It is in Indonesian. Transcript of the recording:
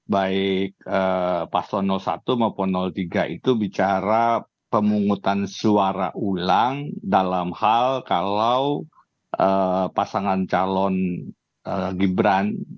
baik paslon satu maupun tiga itu bicara pemungutan suara ulang dalam hal kalau pasangan calon gibran